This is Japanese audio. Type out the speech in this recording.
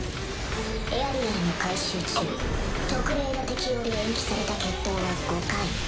エアリアルの改修中特例の適用で延期された決闘は５回。